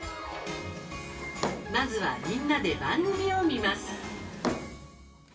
まずは、みんなで番組を見ます。